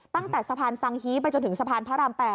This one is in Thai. ตั้งแต่สะพานสังฮีไปจนถึงสะพานพระราม๘